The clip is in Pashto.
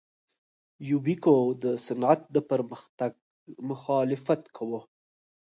یوبیکو د صنعت د پرمختګ مخالفت کاوه.